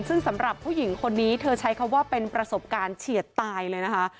ซึ่งสำหรับผู้หญิงคนนี้เธอใช้คำว่าเป็นประสบการณ์เฉียดตายเลยนะคะ